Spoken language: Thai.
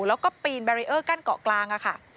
แล้วก็ปีนแบรีเออร์กั้นเกาะกลางค่ะ